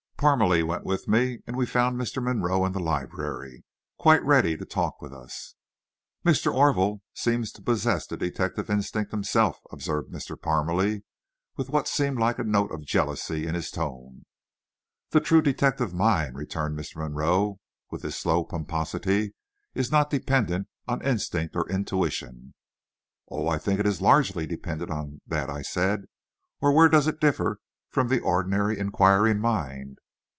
Parmalee went with me and we found Mr. Monroe in the library, quite ready to talk with us. "Mr. Orville seems to possess the detective instinct himself," observed Mr. Parmalee, with what seemed like a note of jealousy in his tone. "The true detective mind," returned Mr. Monroe, with his slow pomposity, "is not dependent on instinct or intuition." "Oh, I think it is largely dependent on that," I said, "or where does it differ from the ordinary inquiring mind?"